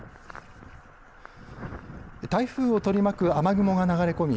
台風を取り巻く雨雲が流れ込み